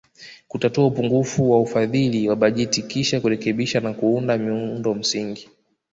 Kutatua upungufu wa ufadhili wa bajeti kisha kurekebisha na kuunda miundo msingi